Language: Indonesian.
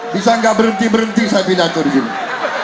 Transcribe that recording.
bisa gak berhenti berhenti saya pindah ke rumah